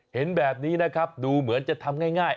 เห็นแบบนี้นะครับดูเหมือนจะทำง่าย